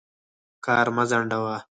کار مه ځنډوه.